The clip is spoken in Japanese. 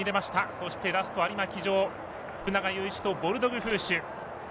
そしてラスト有馬騎乗福永祐一とボルドグフーシュ。